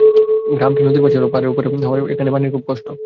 গ্রামটি নদীর পাশে হলেও পাহাড়ের ওপরে হওয়ায় এখানে পানির খুব কষ্ট।